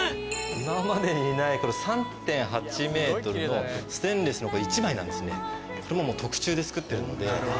今までにないこれ３．８ｍのステンレスの一枚なんですね特注で作ってるので。